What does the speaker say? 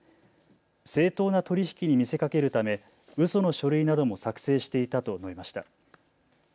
正当な取り引きに見せかけるためうその書類なども作成していたと述べました。